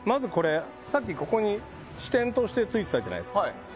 さっき、支点としてこれがついてたじゃないですか。